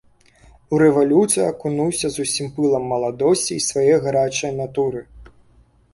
У рэвалюцыю акунуўся з усім пылам маладосці і свае гарачае натуры.